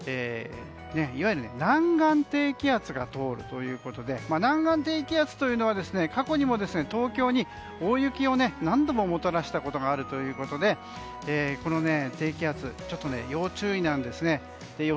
いわゆる南岸低気圧が通るということで南岸低気圧というのは過去にも東京に大雪を何度ももたらしたことがあるということでこの低気圧、要注意なんですね。